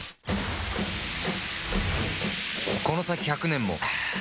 この先１００年もアーーーッ‼